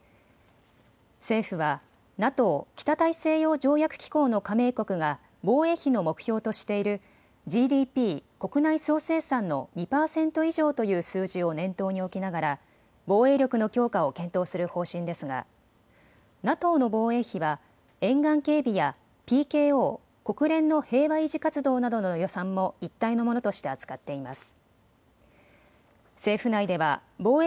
政府はＮＡＴＯ・北大西洋条約機構の加盟国が防衛費の目標としているＧＤＰ・国内総生産の２％以上という数字を念頭に置きながら防衛力の強化を検討する方針ですがＮＡＴＯの防衛費は沿岸警備やＰＫＯ・国連の平和維持活動などの予算も一体のものとして扱っています。